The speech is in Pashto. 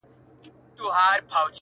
o پر اوښ سپور، سپي وخوړ!